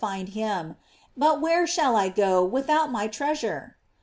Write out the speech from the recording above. find him; but where shall I go without my treas ure?